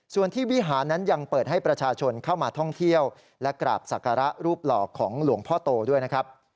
ส่วนที่วิหารนั้นยังเปิดให้ประชาชนเข้ามาท่องเที่ยวและกราบศักระรูปหล่อของหลวงพ่อโตด้วยนะครับ